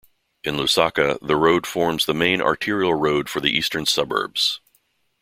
In Lusaka the road forms the main arterial road for the eastern suburbs.